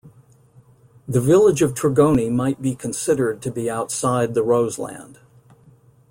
The village of Tregony might be considered to be outside the Roseland.